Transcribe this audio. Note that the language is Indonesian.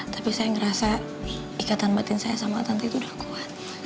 tapi saya ngerasa ikatan batin saya sama tante itu udah kuat